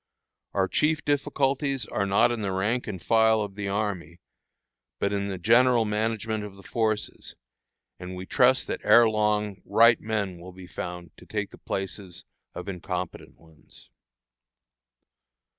Our chief difficulties are not in the rank and file of the army, but in the general management of the forces, and we trust that ere long right men will be found to take the places of incompetent ones.